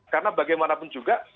karena bagaimanapun juga